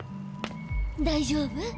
大丈夫？